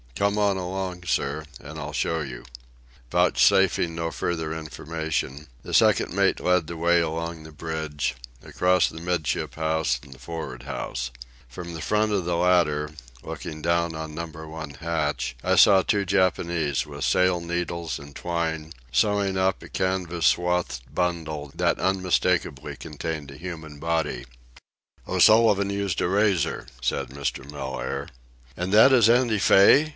Come on along, sir, and I'll show you." Vouchsafing no further information, the second mate led the way along the bridge, across the 'midship house and the for'ard house. From the edge of the latter, looking down on Number One hatch, I saw two Japanese, with sail needles and twine, sewing up a canvas swathed bundle that unmistakably contained a human body. "O'Sullivan used a razor," said Mr. Mellaire. "And that is Andy Fay?"